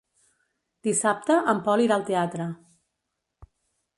Dissabte en Pol irà al teatre.